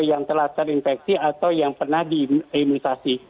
yang telah terinfeksi atau yang pernah diimunisasi